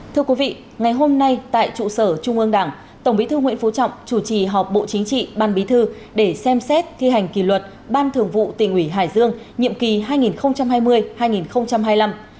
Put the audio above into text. thưa quý vị ngày hôm nay tại trụ sở trung ương đảng tổng bí thư nguyễn phú trọng chủ trì họp bộ chính trị ban bí thư để xem xét thi hành kỳ luật ban thường vụ tỉnh ủy hải dương nhiệm kỳ hai nghìn hai mươi hai nghìn hai mươi năm